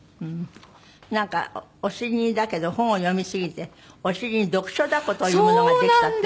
なんかお尻にだけど本を読みすぎてお尻に読書ダコというものができたって。